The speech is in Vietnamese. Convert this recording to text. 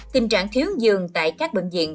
tình trạng thiếu dường tại các bệnh viện